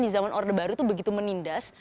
di zaman orde baru itu begitu menindas